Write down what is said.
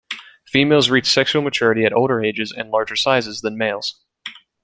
Females reach sexual maturity at older ages and larger sizes than males.